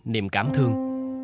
niềm cảm thương